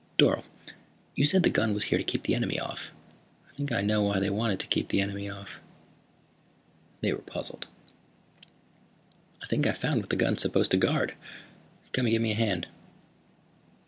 "Dorle, you said the gun was here to keep the enemy off. I think I know why they wanted to keep the enemy off." They were puzzled. "I think I've found what the gun is supposed to guard. Come and give me a hand."